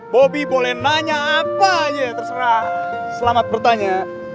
bobby boleh nanya apa ya terserah selamat bertanya